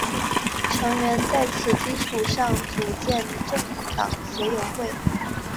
成员在此基础上组建政党宪友会。